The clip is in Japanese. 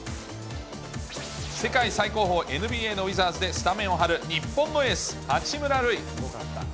世界最高峰、ＮＢＡのウィザーズでスタメンを張る日本のエース、八村塁。